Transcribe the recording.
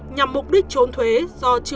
nhằm mục đích trốn thuế do